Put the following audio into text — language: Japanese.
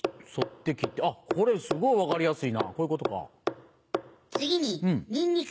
あっこれすごい分かりやすいなこういうことか。